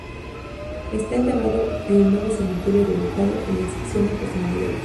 Está enterrado en el Nuevo Cementerio de Belgrado, en la sección de personalidades.